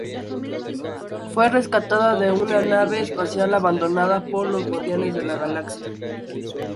Fue rescatada de una nave espacial abandonada por los Guardianes de la Galaxia.